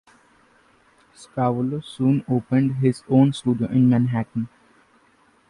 Scavullo soon opened his own studio in Manhattan.